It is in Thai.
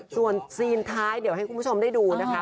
ส่วนซีนท้ายเดี๋ยวให้คุณผู้ชมได้ดูนะคะ